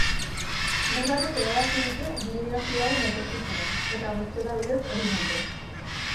Gutarrek erabaki dute bi lehiakide hauen etorkizuna, eta bozketa bidez egin dute.